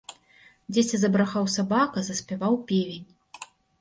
Дзесьці забрахаў сабака, заспяваў певень.